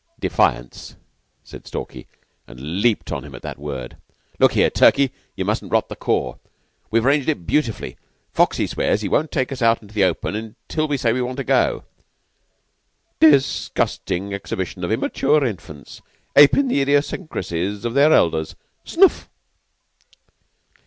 "Defiance," said Stalky, and leaped on him at that word. "Look here, Turkey, you mustn't rot the corps. We've arranged it beautifully. Foxy swears he won't take us out into the open till we say we want to go." "Dis gustin' exhibition of immature infants apin' the idiosyncrasies of their elders. Snff!"